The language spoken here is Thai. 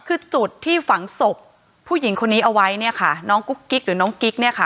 คือจุดที่ฝังศพผู้หญิงคนนี้เอาไว้เนี่ยค่ะน้องกุ๊กกิ๊กหรือน้องกิ๊กเนี่ยค่ะ